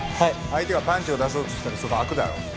相手がパンチを出そうとしたらそこ空くだろ？